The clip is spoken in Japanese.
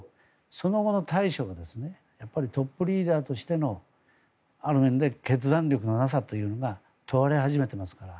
その後の対処がトップリーダーとしてのある面で決断力のなさというのが問われ始めてますから。